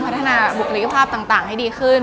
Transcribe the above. พัฒนาบุตรธิภาพต่างให้ดีคืน